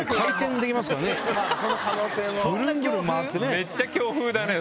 めっちゃ強風だね。